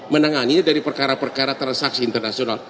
menangani dari perkara perkara transaksi internasional